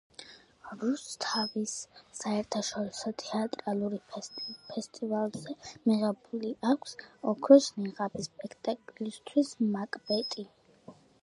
რუსთავის საერთაშორისო თეატრალური ფესტივალზე მიღებული აქვს „ოქროს ნიღაბი“ სპექტაკლისათვის „მაკბეტი“.